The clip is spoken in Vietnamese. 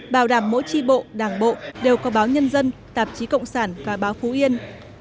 bảo đảm mỗi tri bộ đảng bộ đều có báo nhân dân tạp chí cộng sản và báo phú yên